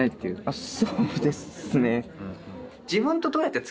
あっそうですね。